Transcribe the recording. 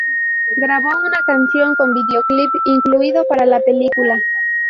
Grabó una canción con videoclip incluido para la película.